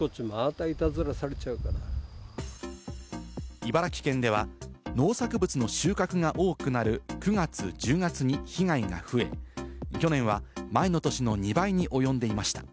茨城県では、農作物の収穫が多くなる９月、１０月に被害が増え、去年は前の年の２倍に及んでいました。